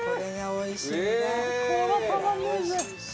おいしいし。